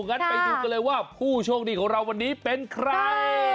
งั้นไปดูกันเลยว่าผู้โชคดีของเราวันนี้เป็นใคร